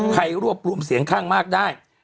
รวบรวมเสียงข้างมากได้